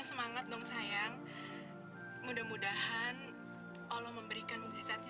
sampai jumpa di video selanjutnya